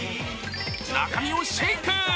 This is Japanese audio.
中身をシェイク！